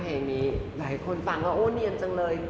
เพลงนี้หลายคนฟังแล้วโอ้เนียนจังเลย